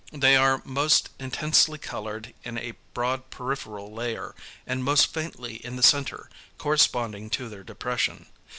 They are most intensely coloured in a broad peripheral layer, and most faintly in the centre corresponding to their depression.